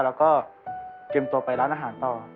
แล้วก็เตรียมตัวไปร้านอาหารต่อ